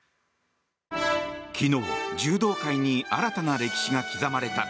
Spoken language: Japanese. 昨日、柔道界に新たな歴史が刻まれた。